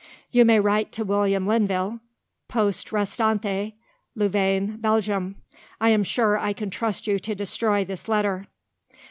"You may write to William Linville, Poste Restante, Louvain, Belgium. I am sure I can trust you to destroy this letter.